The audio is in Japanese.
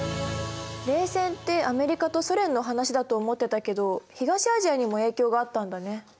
冷戦ってアメリカとソ連の話だと思ってたけど東アジアにも影響があったんだね。